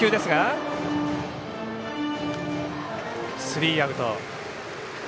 スリーアウト。